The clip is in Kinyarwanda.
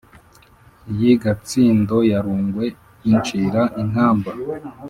iy’i gatsindo, iya rugwe incira inkamba.